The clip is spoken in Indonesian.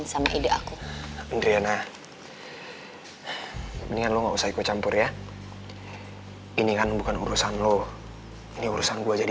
sama ide aku indriana ini lu usai kucampur ya ini kan bukan urusan lo ini urusan gue jadi